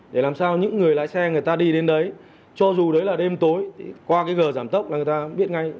để làm sao những người lái xe người ta đi đến đấy cho dù đấy là đêm tối thì qua cái gờ giảm tốc là người ta biết ngay